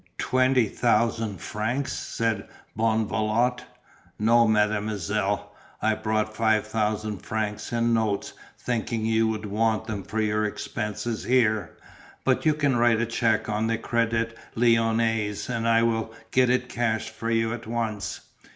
"Twenty thousand francs," said Bonvalot. "No, Mademoiselle. I brought five thousand francs in notes thinking you would want them for your expenses here, but you can write a cheque on the Crédit Lyonnais and I will get it cashed for you at once."